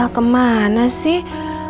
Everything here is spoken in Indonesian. el kemana sih